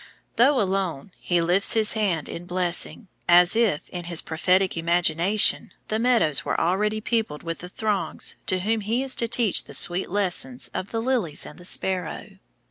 Though alone, he lifts his hand in blessing, as if, in his prophetic imagination, the meadows were already peopled with the throngs to whom he is to teach the sweet lessons of the lilies and the sparrow.